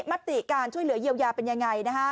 มติการช่วยเหลือเยียวยาเป็นยังไง